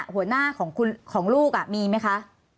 หัวหน้าของลูกมีไหมคะ